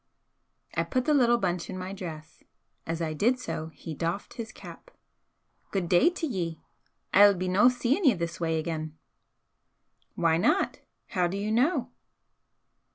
I put the little bunch in my dress. As I did so, he doffed his cap. "Good day t'ye! I'll be no seein' ye this way again!" "Why not? How do you know?"